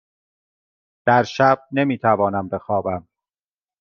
در شب نمی توانم بخوابم.